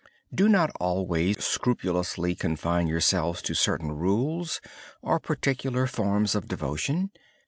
Do not always scrupulously confine yourself to certain rules or particular forms of devotion.